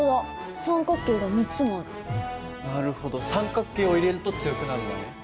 なるほど三角形を入れると強くなるんだね。